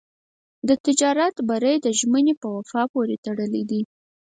د تجارت بری د ژمنې په وفا پورې تړلی دی.